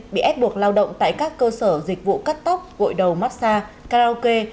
bị ép buộc lao động tại các cơ sở dịch vụ cắt tóc gội đầu massage karaoke